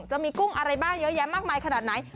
กุ้งอะไรบ้างเยอะแยะมากมายขนาดไหน